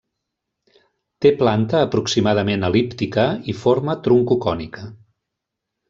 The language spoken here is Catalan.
Té planta aproximadament el·líptica i forma troncocònica.